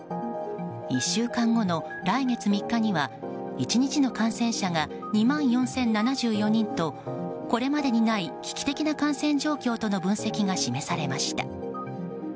１週間後の来月３日には１日の感染者が２万４０７４人とこれまでにない危機的な感染状況との分析が示されました。